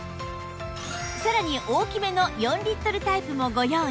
さらに大きめの４リットルタイプもご用意